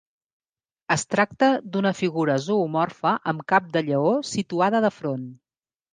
Es tracta d'una figura zoomorfa amb cap de lleó situada de front.